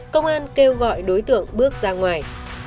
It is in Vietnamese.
công an kêu gọi đối tượng bước ra ngoài